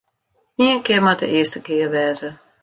Ien kear moat de earste kear wêze.